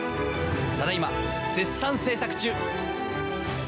ただいま絶賛制作中！